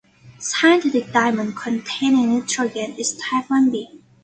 Synthetic diamond containing nitrogen is Type Oneb.